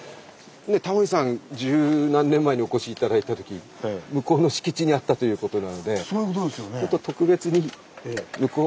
タモリさん十何年前にお越し頂いた時向こうの敷地にあったということなのでいいですか？